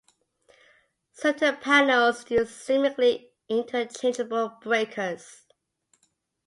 Certain panels use seemingly interchangeable breakers.